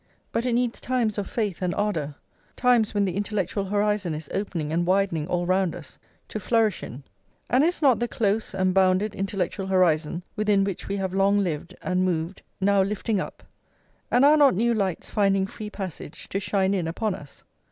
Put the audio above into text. But it needs times of faith and ardour, times when the intellectual horizon is opening and widening all round us, to flourish in. And is not the close and bounded intellectual horizon within which we have long lived and moved now lifting up, and are not new lights finding free passage to shine in upon us?